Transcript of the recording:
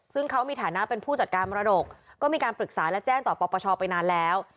ซึ่งเขามีฐานะเป็นผู้จัดการมรดกก็มีการปรึกษาและแจ้งต่อปปชไปนานแล้ว